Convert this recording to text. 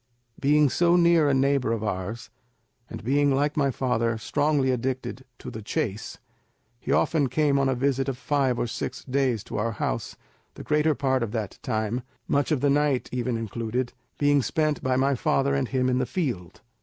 Being so near a neighbour of ours, and being like my father strongly addicted to the chase, he often came on a visit of five or six days to our house, the greater part of that time, much of the night even included, being spent by my father and him in the field.